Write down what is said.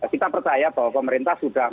kita percaya bahwa pemerintah sudah